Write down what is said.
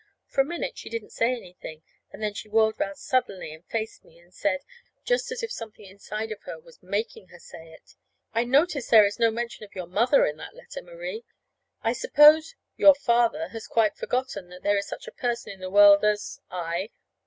For a minute she didn't say anything; then she whirled 'round suddenly and faced me, and said, just as if something inside of her was making her say it: "I notice there is no mention of your mother in that letter, Marie. I suppose your father has quite forgotten that there is such a person in the world as I."